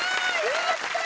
やった！